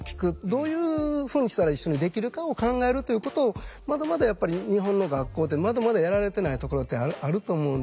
どういうふうにしたら一緒にできるかを考えるということをまだまだやっぱり日本の学校ってまだまだやられてないところってあると思うんですね。